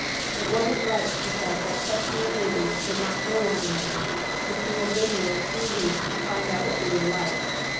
It wasn't right, she said, that such near neighbours should not know one another, so she had ridden those few leagues to find out what we were like.